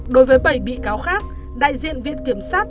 đối với bảy bị cáo khác đại diện viện kiểm sát